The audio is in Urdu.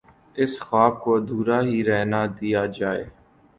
اس خواب کو ادھورا ہی رہنے دیا جائے۔